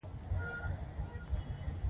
ایا د سترګو رنګ هم په وراثت پورې اړه لري